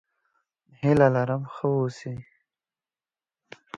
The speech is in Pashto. هيله لرم ښه اوسې!